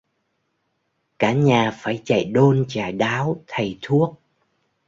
cả nhà phải chạy đôn chạy đáo thầy thuốc